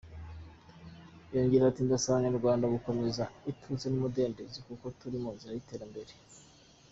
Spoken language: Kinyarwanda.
Yongeye ati " Ndasaba Abanyarwanda gukomeza ituze n’ umudendezo kuko turi mu nzira y’ iterambere".